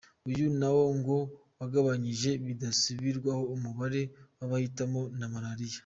Uyu nawo ngo wagabanyije bidasubwirwaho umubare w’abahitanwa na Malariya.